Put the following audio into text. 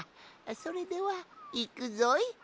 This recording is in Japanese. それではいくぞい。